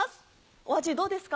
お味どうですか？